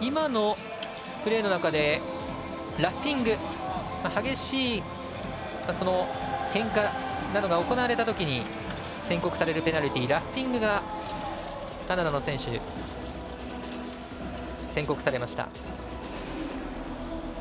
今のプレーの中でラッフィング激しいけんかなどが行われたときに宣告されるペナルティーラッフィングがカナダの選手宣告されました。